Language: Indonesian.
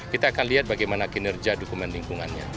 kita akan lihat bagaimana kinerja dokumen lingkungannya